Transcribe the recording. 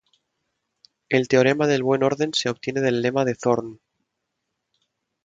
El teorema del buen orden se obtiene del lema de Zorn.